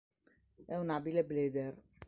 È un abile blader.